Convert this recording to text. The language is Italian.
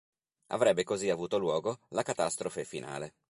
Avrebbe così avuto luogo la catastrofe finale.